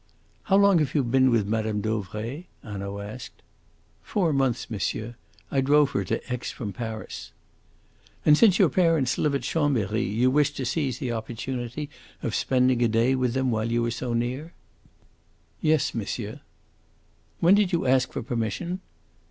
"How long have you been with Mme. Dauvray?" Hanaud asked. "Four months, monsieur. I drove her to Aix from Paris." "And since your parents live at Chambery you wished to seize the opportunity of spending a day with them while you were so near?" "Yes, monsieur." "When did you ask for permission?"